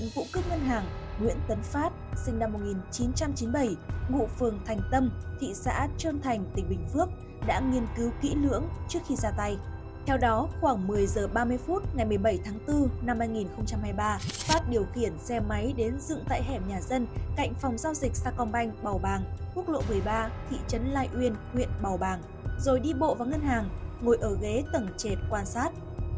phát điều khiển xe máy đến dựng tại hẻm nhà dân cạnh phòng giao dịch sa công banh bào bàng quốc lộ một mươi ba thị trấn lai uyên huyện bào bàng rồi đi bộ vào ngân hàng ngồi ở ghế tầng chệt quan sát